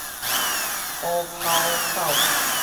虎吼口